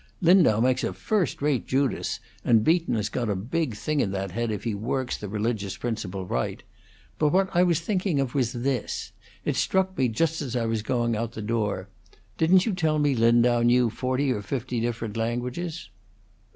Lindau makes a first rate Judas, and Beaton has got a big thing in that head if he works the religious people right. But what I was thinking of was this it struck me just as I was going out of the door: Didn't you tell me Lindau knew forty or fifty, different languages?"